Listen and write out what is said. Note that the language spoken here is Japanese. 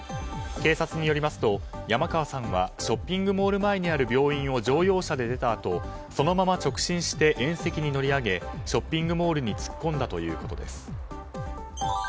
警察によりますと、山川さんはショッピングモール前にある病院を乗用車で出たあとそのまま直進して縁石に乗り上げショッピングモールに突っ込んだということです。